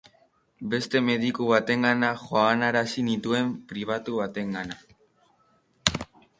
Beste mediku batengana joanarazi nituen, pribatu batengana.